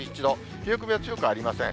冷え込みは強くありません。